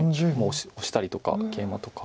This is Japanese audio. オシたりとかケイマとか。